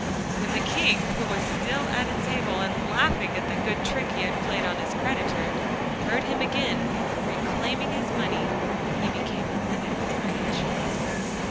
When the King, who was still at table and laughing at the good trick he had played his creditor, heard him again reclaiming his money, he became livid with rage.